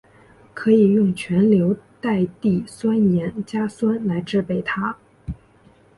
可以用全硫代锑酸盐加酸来制备它。